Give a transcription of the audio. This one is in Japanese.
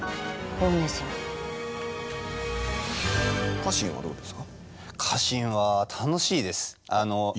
家臣はどうですか？